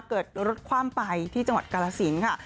เกิดรถคว่ำไปที่จังหวัดกาลสินค่ะ